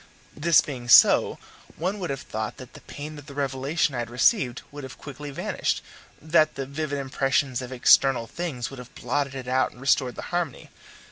This being so, one would have thought that the pain of the revelation I had received would have quickly vanished that the vivid impressions of external things would have blotted it out and restored the harmony.